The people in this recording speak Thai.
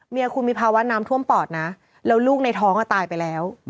เมียคุณมีภาวะน้ำท่วมปอดนะแล้วลูกในท้องตายไปแล้ว